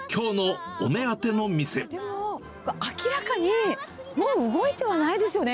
明らかにもう、動いてはないですよね。